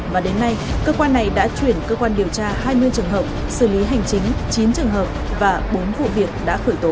và đến nay cơ quan này đã chuyển cơ quan điều tra hai mươi trường hợp xử lý hành chính chín trường hợp và bốn vụ việc đã khởi tố